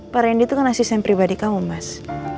pak randy itu kan asisten pribadi kamu mas